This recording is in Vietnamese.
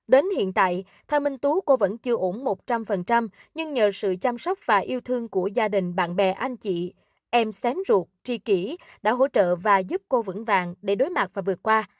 đến hiện tại thơ minh tú cô vẫn chưa ủng một trăm linh nhưng nhờ sự chăm sóc và yêu thương của gia đình bạn bè anh chị em xén ruột tri kỷ đã hỗ trợ và giúp cô vững vàng để đối mặt và vượt qua